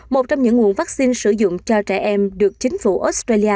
một trong những nguồn vắc xin sử dụng cho trẻ em được chính phủ australia